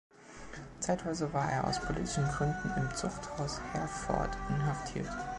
Zeitweise war er aus politischen Gründen im Zuchthaus Herford inhaftiert.